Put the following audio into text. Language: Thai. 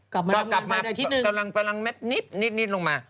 กลับมากำลังเม็ดนิดนิดลงมา